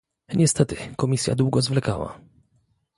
Niestety, Komisja długo zwlekała